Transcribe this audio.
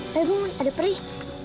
eh ibu ada perih